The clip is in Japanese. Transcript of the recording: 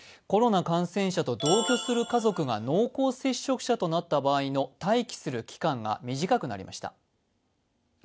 コロナ感染者と同居する家族が濃厚接触者となった場合の待機する期間が短くなりました。